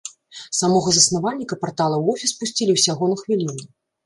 Самога заснавальніка партала ў офіс пусцілі ўсяго на хвіліну.